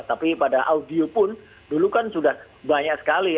tapi pada audio pun dulu kan sudah banyak sekali